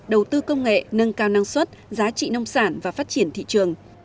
đầu tư công nghệ nâng cao năng suất giá trị nông sản và phát triển thị trường